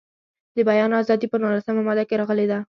د بیان ازادي په نولسمه ماده کې راغلې ده.